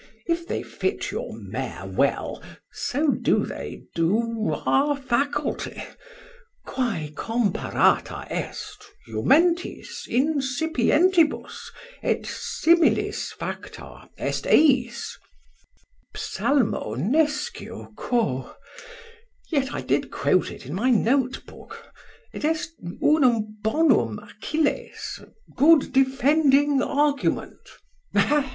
If they fit your mare well, so do they do our faculty; quae comparata est jumentis insipientibus, et similis facta est eis, Psalmo nescio quo. Yet did I quote it in my note book, et est unum bonum Achilles, a good defending argument.